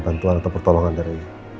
bantuan atau pertolongan dari